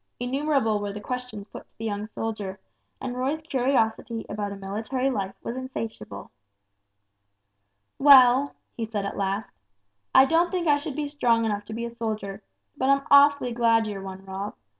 Innumerable were the questions put to the young soldier, and Roy's curiosity about a military life was insatiable. "Well," he said at last, "I don't think I should be strong enough to be a soldier, but I'm awfully glad you're one, Rob.